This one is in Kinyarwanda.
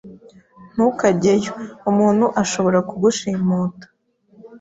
Ntukajyeyo, umuntu ashobora kugushimuta